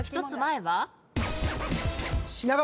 １つ前は？